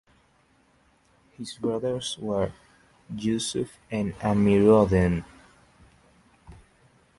His brothers were Yusuf and Amiruddin.